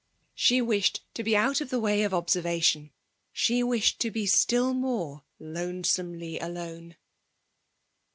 She wished to be out of the way of observation, — she wished to be still more lonesomely alone.